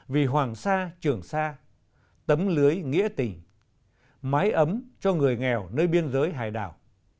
vì hoàng sa trường sa tấm lưới nghĩa tình mái ấm cho người nghèo nơi biên giới hải đảo